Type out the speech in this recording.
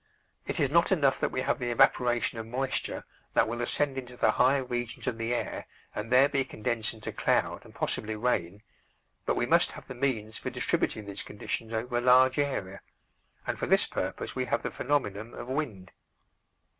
It is not enough that we have the evaporation of moisture that will ascend into the higher regions of the air and there be condensed into cloud and possibly rain, but we must have the means for distributing these conditions over a large area, and for this purpose we have the phenomenon of wind.